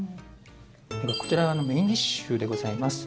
こちらメインディッシュでございます。